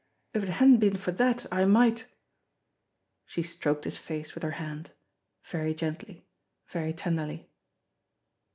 If it hadn't been for that I might " She stroked his face with her hand, very gently, very tenderly.